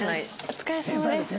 お疲れさまです。